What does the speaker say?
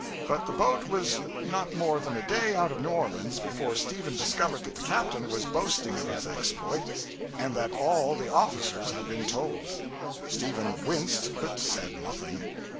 But the boat was not more than a day out of New Orleans before Stephen discovered that the captain was boasting of his exploit, and that all the officers had been told. Stephen winced, but said nothing.